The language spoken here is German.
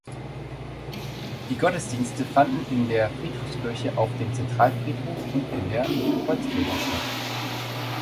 Die Gottesdienste fanden in der Friedhofskirche auf dem Zentralfriedhof und in der Kreuzkirche statt.